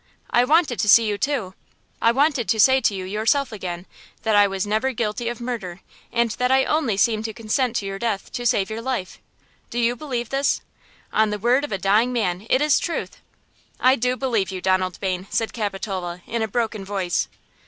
I wanted to see you, too, I wanted to say to you yourself again, that I was never guilty of murder, and that I only seemed to consent to your death to save your life! Do you believe this? On the word of a dying man it is truth!" "I do believe you, Donald Bayne," said Capitola, in a broken voice.